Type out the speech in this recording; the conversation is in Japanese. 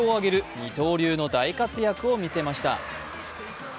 二刀流の大活躍を見せました。